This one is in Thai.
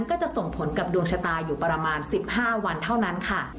ก็จะส่งผลกับดวงชะตาอยู่ประมาณ๑๕วันเท่านั้นค่ะ